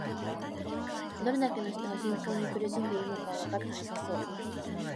どれだけの人が貧困に苦しんでいるのかわかってなさそう